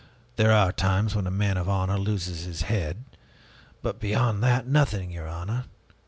There are times when a man of honor loses his head but beyond that, nothing, your honor.